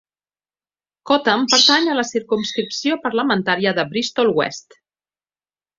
Cotham pertany a la circumscripció parlamentària de Bristol West.